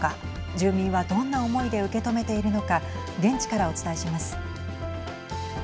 住民は、どんな思いで受け止めているのか現地からお伝えします。